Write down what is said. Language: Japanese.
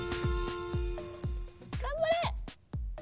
頑張れ！